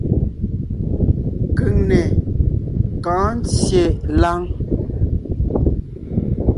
Keŋne kɔ̌ɔn ńtyê láŋ.